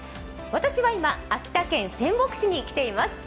私は今、秋田県仙北市に来ています。